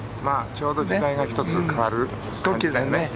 ちょうど時代が１つ変わる時だね。